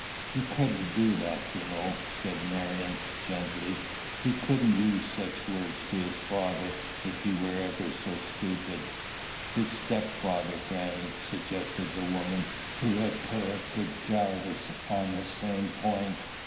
"He couldn't do that, you know," said Marion gently. "He couldn't use such words to his father, if he were ever so stupid." "His step father, grannie," suggested the woman who had corrected Jarvis on the same point.